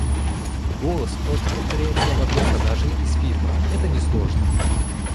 Голос просто повторяет слова персонажей из фильмов, это несложно.